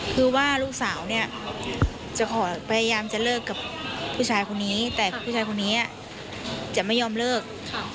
คือว่าลูกสาวเนี่ยจะขอพยายามจะเลิกกับผู้ชายคนนี้แต่ผู้ชายคนนี้จะไม่ยอมเลิก